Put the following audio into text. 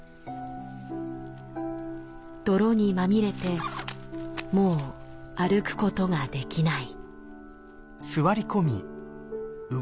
泥にまみれてもう歩くことができない。